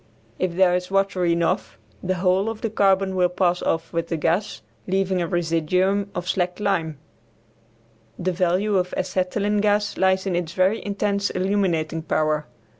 If there is water enough the whole of the carbon will pass off with the gas, leaving a residuum of slacked lime. The value of acetylene gas lies in its very intense illuminating power.